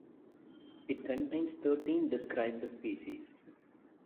It contains thirteen described species.